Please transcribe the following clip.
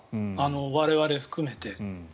我々含めて。